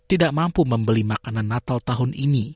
tidak mampu membeli makanan natal tahun ini